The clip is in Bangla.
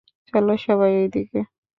চলো সবাই, ওইদিকে।